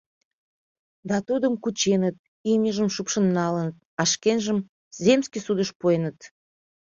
да тудым кученыт, имньыжым шупшын налыныт, а шкенжым земский судыш пуэныт.